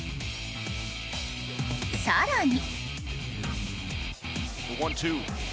更に。